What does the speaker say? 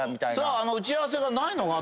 打ち合わせがないのが。